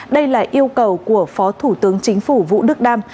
đây là yêu cầu của phó thủ tướng chính phủ vũ đức đam